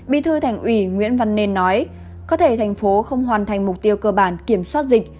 bí thư thành ủy nguyễn văn nên nói có thể thành phố không hoàn thành mục tiêu cơ bản kiểm soát dịch